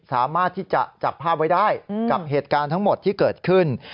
สามารถที่จะจับภาพไว้ได้กับเหตุการณ์ทั้งหมดที่เกิดขึ้น